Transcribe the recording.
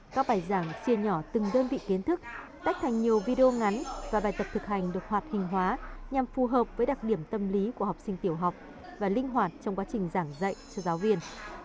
các bài giảng chia nhỏ từng đơn vị kiến thức tách thành nhiều video ngắn và bài tập thực hành được hoạt hình hóa nhằm phù hợp với đặc điểm tâm lý của học sinh tiểu học và linh hoạt trong quá trình giảng dạy cho giáo viên